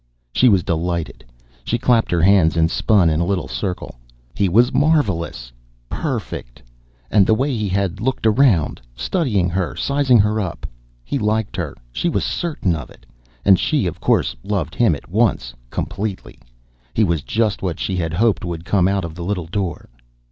She was delighted. She clapped her hands and spun in a little circle. He was marvelous, perfect! And the way he had looked around, studying her, sizing her up. He liked her; she was certain of it. And she, of course, loved him at once, completely. He was just what she had hoped would come out of the little door.